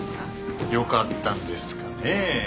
よかったんですかね。